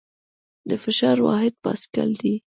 د فشار واحد پاسکل دی.